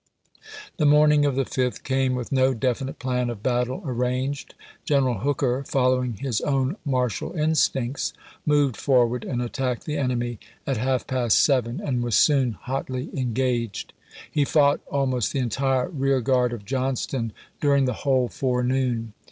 The morning of the 5th came with no definite May,i862. plan of battle arranged. General Hooker, follow ing his own martial instincts, moved forward and attacked the enemy at half past seven and was soon hotly engaged. He fought almost the entire rear guard of Johnston during the whole forenoon.